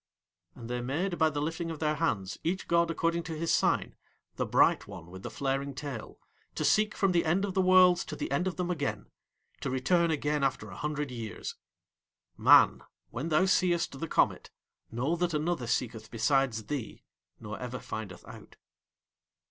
And They made by the lifting of Their hands, each god according to his sign, the Bright One with the flaring tail to seek from the end of the Worlds to the end of them again, to return again after a hundred years. Man, when thou seest the comet, know that another seeketh besides thee nor ever findeth out.